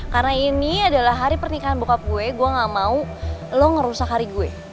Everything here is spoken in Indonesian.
karena ini adalah hari pernikahan bokap gue gue gak mau lo ngerusak hari gue